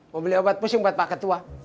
mau beli obat pusing buat pak ketua